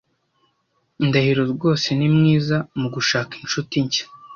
Ndahiro rwose ni mwiza mugushaka inshuti nshya.